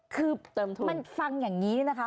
คือมันฟังอย่างนี้นี่นะคะ